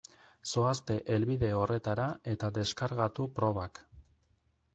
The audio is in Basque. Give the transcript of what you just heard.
Zoazte helbide horretara eta deskargatu probak.